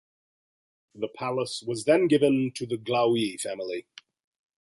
The palace was then given to the Glaoui family.